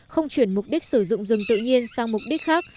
không chuyển mục đích sử dụng rừng tự nhiên sang mục đích khác